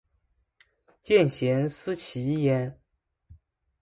见贤思齐焉